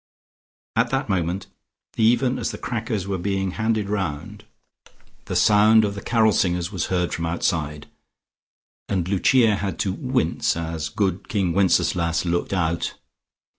At that moment, even as the crackers were being handed round, the sound of the carol singers was heard from outside, and Lucia had to wince, as "Good King Wenceslas" looked out.